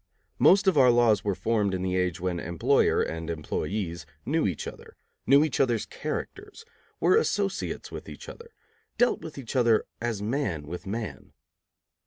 Most of our laws were formed in the age when employer and employees knew each other, knew each other's characters, were associates with each other, dealt with each other as man with man.